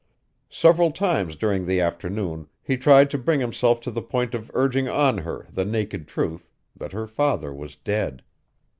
Several times during the afternoon he tried to bring himself to the point of urging on her the naked truth that her father was dead.